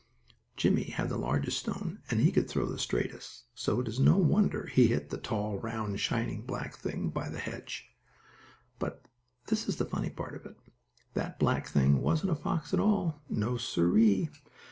Jimmie had the largest stone, and he could throw the straightest, so it is no wonder he hit the tall, round, shining black thing by the hedge. But this is the funny part of it, that black thing wasn't a fox at all. No, siree!